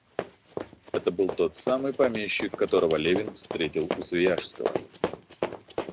Это был тот самый помещик, которого Левин встретил у Свияжского.